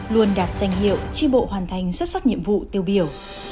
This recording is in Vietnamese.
luôn đạt danh hiệu tri bộ hoàn thành xuất sắc nhiệm vụ tiêu biểu